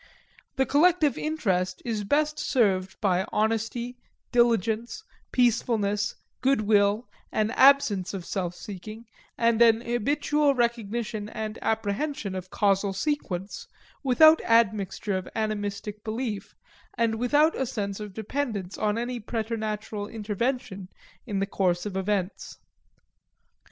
This collective interest is best served by honesty, diligence, peacefulness, good will, an absence of self seeking, and an habitual recognition and apprehension of causal sequence, without admixture of animistic belief and without a sense of dependence on any preternatural intervention in the course of events.